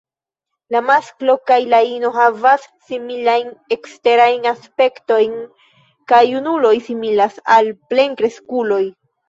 La masklo kaj la ino havas similajn eksterajn aspektojn, kaj junuloj similas al plenkreskuloj.